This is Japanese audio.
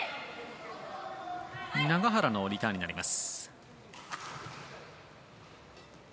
永原のリターンになります。